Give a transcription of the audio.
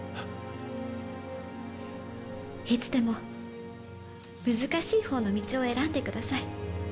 いつでも難しいほうの道を選んでください。